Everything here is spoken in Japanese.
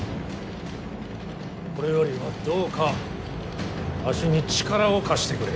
これよりはどうかわしに力を貸してくれ。